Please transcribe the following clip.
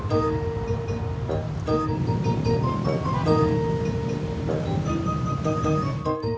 sodi jangan balik lagi